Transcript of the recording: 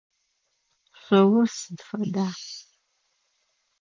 Шъоур сыд фэда?